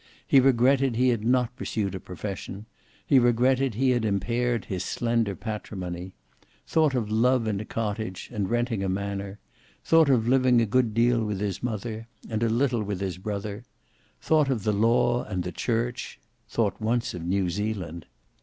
He regretted he had not pursued a profession: he regretted he had impaired his slender patrimony; thought of love in a cottage, and renting a manor; thought of living a good deal with his mother, and a little with his brother; thought of the law and the church; thought once of New Zealand.